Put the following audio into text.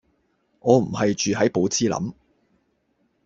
我唔係住係寶芝林